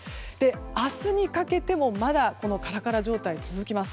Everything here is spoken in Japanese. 明日にかけてもまだカラカラ状態続きます。